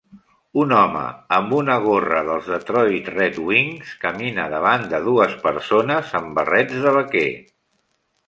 Un home amb una gorra dels Detroit Red Wings camina davant de dues persones amb barrets de vaquer.